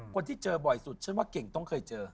คนที่เจอบ่อยสุดฉันว่าเก่งต้องเคยเจอ